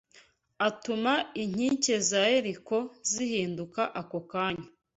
atuma inkike za Yeriko ziriduka ako kanya